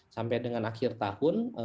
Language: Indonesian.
sampai dengan akhir tahun